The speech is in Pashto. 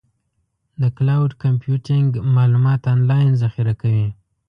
د کلاؤډ کمپیوټینګ معلومات آنلاین ذخیره کوي.